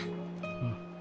うん。